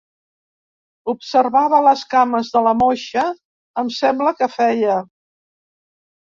«Observava les cames de la moixa» em sembla que feia.